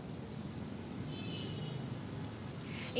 iya benar sekali rian bahwa tidak hanya di glodok namun masyarakat juga sangat menarik